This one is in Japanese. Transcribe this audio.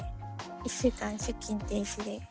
１週間出勤停止で。